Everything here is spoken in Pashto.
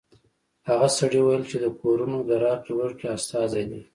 هغه سړي ویل چې د کورونو د راکړې ورکړې استازی دی